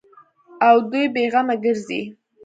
او دوى بې غمه گرځي.